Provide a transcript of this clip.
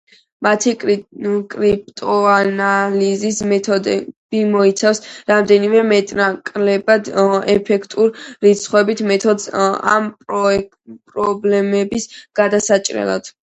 მათი კრიპტოანალიზის მეთოდები მოიცავს რამდენიმე მეტნაკლებად ეფექტურ რიცხვით მეთოდს ამ პრობლემების გადასაჭრელად.